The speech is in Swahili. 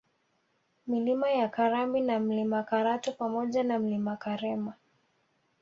Milima ya Karambi na Mlima Karatu pamoja na Mlima Karema